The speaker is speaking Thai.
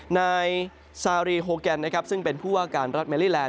ในซาอรีโฮแกนซึ่งเป็นผู้ว่าการรัฐเมริแลนด์